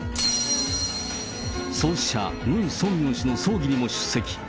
創始者、ムン・ソンミョン氏の葬儀にも出席。